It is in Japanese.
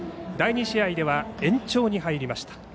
第２試合では、延長に入りました。